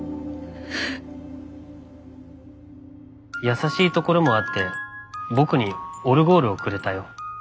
優しいところもあって僕にオルゴールをくれたよ。